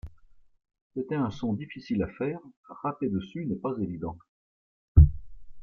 C’était un son difficile à faire, rapper dessus n’est pas évident.